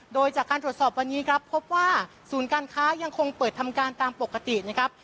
โดยจากการตรวจสอบวันนี้ครับพบว่าศูนย์การค้ายังคงเปิดทำการตามปกตินะครับ